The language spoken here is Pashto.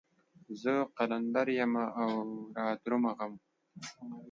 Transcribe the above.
زه قلندر يمه رادرومه غمه